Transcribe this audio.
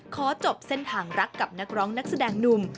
ขอจบเส้นทางรักกับนักร้องนักแสดงหนุ่ม